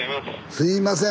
すいません